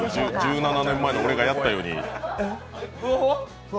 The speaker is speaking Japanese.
１７年前の俺がやったように。